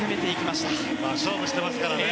まあ勝負してますからね。